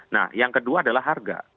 nah yang kedua adalah harga